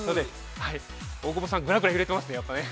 大久保さん、ぐらぐら揺れてますね、やっぱね。